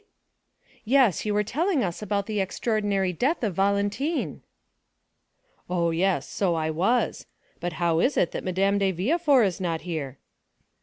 "Yes; you were telling us about the extraordinary death of Valentine." "Ah, yes, so I was. But how is it that Madame de Villefort is not here?"